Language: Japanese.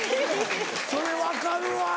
それ分かるわ。